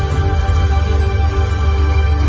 มันเป็นเมื่อไหร่แล้ว